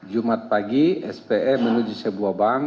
jumat pagi spe menuju sebuah bank